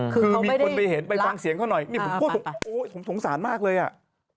คือมีคนไปเห็นไปฟังเสียงเขาหน่อยนี่ผมพูดผมโอ๊ยผมสงสารมากเลยอ่ะ